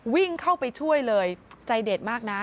วิ่งเข้าไปช่วยเลยใจเด็ดมากนะ